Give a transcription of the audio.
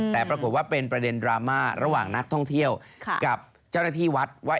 แต่ปรากฏว่าเป็นประเด็นดราม่าระหว่างนักท่องเที่ยวกับเจ้าหน้าที่วัดว่า